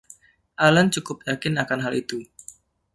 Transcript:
Allan cukup yakin akan hal itu.